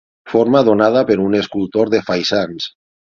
Forma donada per un escultor de faisans.